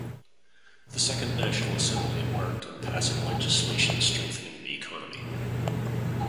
The Second National Assembly embarked on passing legislation strengthening the economy.